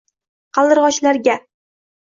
Qaldirg’ochlarga